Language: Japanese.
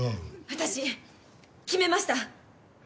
私決めました！